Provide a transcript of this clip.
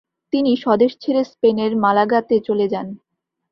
তিনি স্বদেশ ছেড়ে স্পেনের মালাগাতে চলে যান।